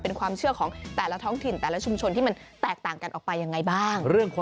เป็นความเชื่อของแต่ละท้องถิ่นแต่ละชุมชนที่มันแตกต่างกันออกไปยังไงบ้าง